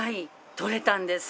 取れたんですよ！